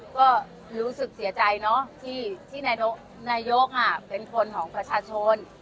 ก็รู้สึกเสียใจเนอะที่นายกเป็นคนของประชาชน